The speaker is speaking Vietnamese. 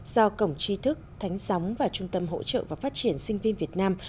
do cổng chi thức thánh gióng và trung tâm hỗ trợ và phát triển sinh viên việt nam